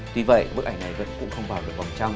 tuy vậy bức ảnh này vẫn cũng không vào được vòng trong